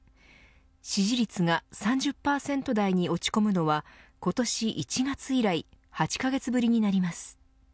支持率が３０％台に落ち込むのは今年１月以来８カ月ぶりになります。